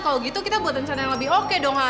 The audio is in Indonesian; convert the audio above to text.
kalau gitu kita buat rencana yang lebih oke dong